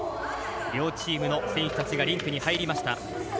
両チームの選手たちがリンクに入りました。